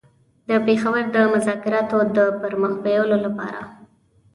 د پېښور د مذاکراتو د پر مخ بېولو لپاره.